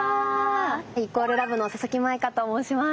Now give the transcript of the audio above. ＝ＬＯＶＥの佐々木舞香と申します。